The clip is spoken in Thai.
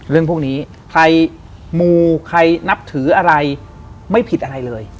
เรื่องพวกนี้ใครมูใครนับถืออะไรไม่ผิดอะไรเลย